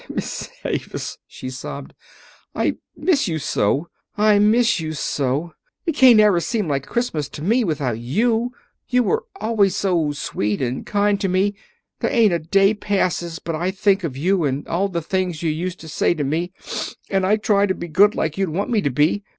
Miss Avis!" she sobbed. "I miss you so I miss you so! It can't ever seem like Christmas to me without you. You were always so sweet and kind to me. There ain't a day passes but I think of you and all the things you used to say to me, and I try to be good like you'd want me to be.